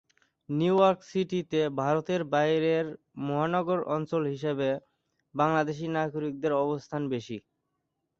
New York সিটিতে ভারতের বাইরেও মহানগর অঞ্চল হিসেবে বাংলাদেশি নাগরিকদের অবস্থান বেশি।